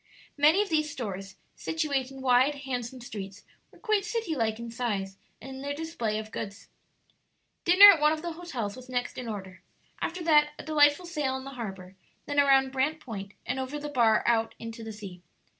Many of these stores, situate in wide, handsome streets, were quite city like in size and in their display of goods. Dinner at one of the hotels was next in order; after that a delightful sail on the harbor, then around Brant Point and over the bar out into the sea.